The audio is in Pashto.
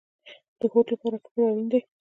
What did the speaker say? د هوډ لپاره فکر اړین دی